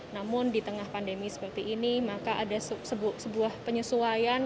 namun di tengah pandemi seperti ini maka ada sebuah penyesuaian